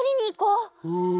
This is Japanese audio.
うん。